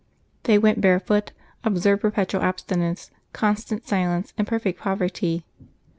They went barefoot, observed perpetual abstinence, constant silence, and perfect poverty.